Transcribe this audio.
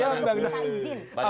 dan sudah minta izin